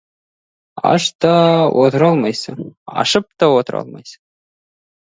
Аш та отыра алмайсың, ашып та отыра алмайсың.